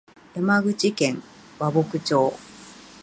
山口県和木町